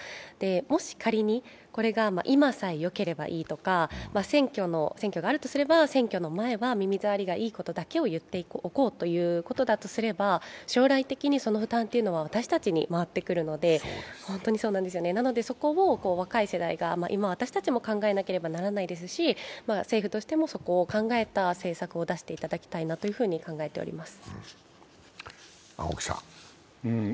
もし仮にこれが今さえよければいいとか、選挙があるとすれば選挙の前は耳障りがいいことだけを言っておこうということならば将来的にその負担は私たちに回ってくるので、そこを若い世代が今、私たちも考えなければならないし政府としてもそこを考えた政策を出していただきたいなと考えております。